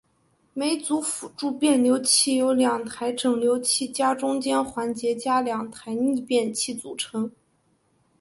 每组辅助变流器由两台整流器加中间环节加两台逆变器组成。